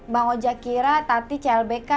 bang ojak kira tati clbk